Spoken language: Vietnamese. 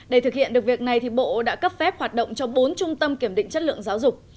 để thực hiện được việc này bộ đã cấp phép hoạt động cho bốn trung tâm kiểm định chất lượng giáo dục